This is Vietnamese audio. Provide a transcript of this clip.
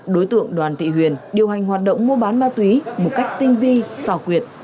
đối tượng đoàn thị huyền điều hành hoạt động mua bán ma túy một cách tinh vi xảo quyệt